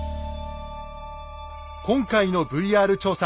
今回のＶＲ調査。